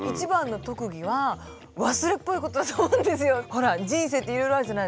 ほら人生っていろいろあるじゃないですか。